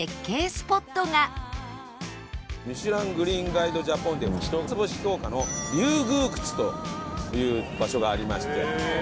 『ミシュラン・グリーンガイド・ジャポン』で一つ星評価の龍宮窟という場所がありまして。